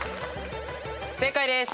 正解です。